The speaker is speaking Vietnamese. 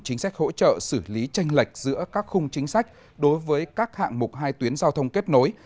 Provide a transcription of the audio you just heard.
chính sách hỗ trợ xử lý tranh lệch giữa các khung chính sách đối với các hạng mục hai tuyến giao thông kết nối